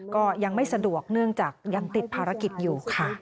ก็ยังไม่สะดวกเนื่องจากยังติดภารกิจอยู่ค่ะ